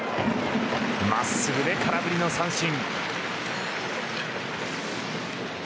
真っすぐで空振りの三振。